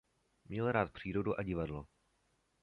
Měl rád přírodu a divadlo.